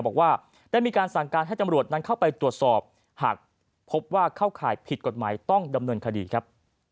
บอกว่าได้มีการสั่งการให้จำรวจนั้นเข้าไปตรวจสอบหากพบว่าเข้าข่ายผิดกฎหมายต้องดำเนินคดีครับ